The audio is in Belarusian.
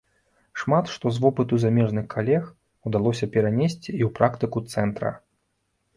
Шмат што з вопыту замежных калег удалося перанесці і ў практыку цэнтра.